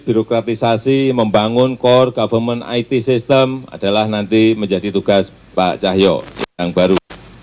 birokratisasi membangun core government it system adalah nanti menjadi tugas pak cahyok yang baru